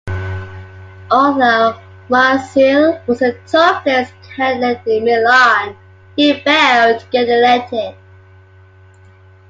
Although Marsili was a top-list candidate in Milan, he failed to get elected.